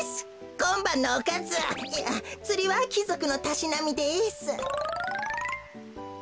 こんばんのおかずいやつりはきぞくのたしなみです。